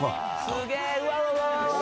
すげえうわうわうわ